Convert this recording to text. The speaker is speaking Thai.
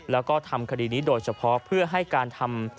แล้วก็ทำคดีนี้โดยเฉพาะเพื่อให้การทำ